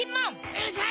うるさい！